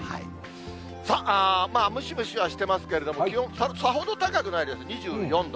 さあ、ムシムシはしてますけれども、気温さほど高くないです、２４度。